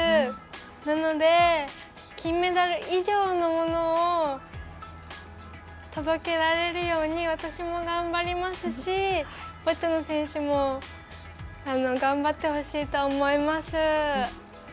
なので、金メダル以上のものを届けられるように私も頑張りますしボッチャの選手も頑張ってほしいと思います。